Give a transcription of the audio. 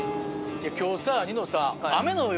いや今日さニノさ。